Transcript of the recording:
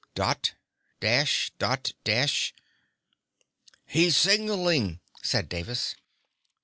Dot dash, dot dash "He's signaling," said Davis.